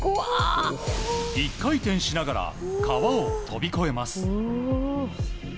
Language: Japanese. １回転しながら川を飛び越えます。